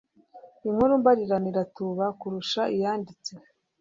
inkuru mbarirano iratuba kurusha iyanditse